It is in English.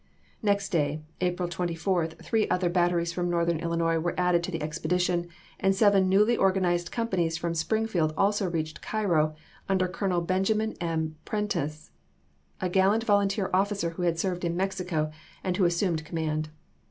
Next day, April 24, three other batteries from northern Illinois were added to the expedition ; and seven newly or ganized companies from Springfield also reached Cairo, under Colonel Benjamin M. Prentiss, a gal lant volunteer officer, who had served in Mexico, and who assumed command.